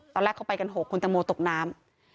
ตอนแรกเขาไปกัน๖คุณตังโมตกน้ำ